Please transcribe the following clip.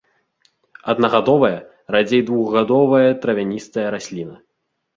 Аднагадовая, радзей двухгадовая травяністая расліна.